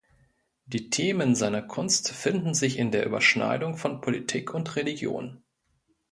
Die Themen seiner Kunst finden sich in der Überschneidung von Politik und Religion.